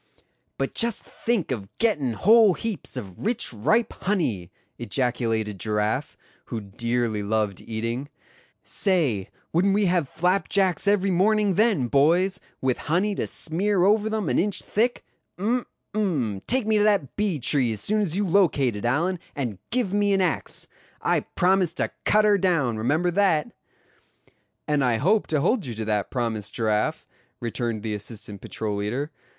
"But just think of gettin' whole heaps of rich ripe honey!" ejaculated Giraffe, who dearly loved eating; "say, wouldn't we have flapjacks every morning then, boys, with honey to smear over them an inch thick? Um! um! take me to that bee tree as soon as you locate it, Allan, and give me an axe. I promise to cut her down, remember that." "And I hope to hold you to that promise, Giraffe," returned the assistant patrol leader.